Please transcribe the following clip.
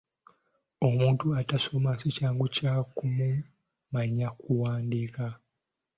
Omuntu ataasoma si kyangu kya kumanya kuwandiika.